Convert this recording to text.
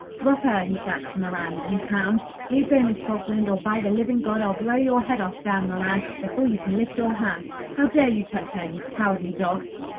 'Drop her!' he shouts to Moran; 'you hound! Leave go Miss Falkland, or by the living God I'll blow your head off, Dan Moran, before you can lift your hand! How dare you touch her, you cowardly dog!'